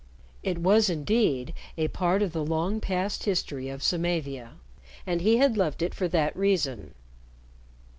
It was, indeed, a part of the long past history of Samavia, and he had loved it for that reason.